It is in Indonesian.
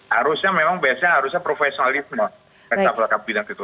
harusnya memang biasanya harusnya profesionalisme resapel kabinan gitu